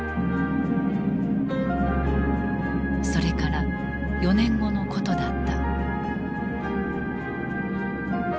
それから４年後のことだった。